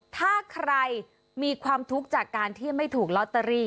ถ้าใครมีความทุกข์จากการที่ไม่ถูกลอตเตอรี่